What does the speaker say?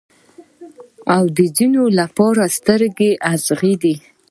او د ځینو لپاره په سترګو کې اغزی دی.